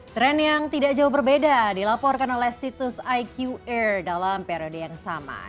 trend yang tidak jauh berbeda dilaporkan oleh situs iq air dalam periode yang sama